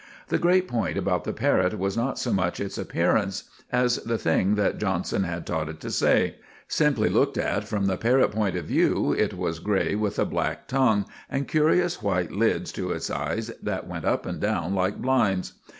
The great point about the parrot was not so much its appearance as the thing that Johnson had taught it to say. Simply looked at from the parrot point of view, it was grey with a black tongue, and curious white lids to its eyes that went up and down like blinds.